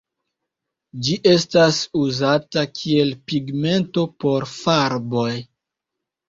Ĝi estas uzata kiel pigmento por farboj.